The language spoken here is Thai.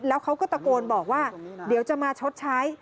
แล้วเขาก็ตะโกนบอกว่าเดี๋ยวจะมาชดใช้